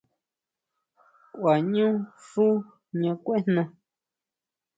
Kuaʼñu xú jña kuejna.